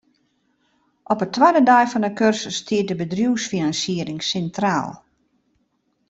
Op 'e twadde dei fan 'e kursus stiet de bedriuwsfinansiering sintraal.